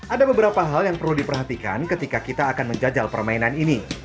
ada beberapa hal yang perlu diperhatikan ketika kita akan menjajal permainan ini